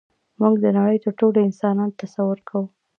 موږ د نړۍ ټول انسانان تصور کوو.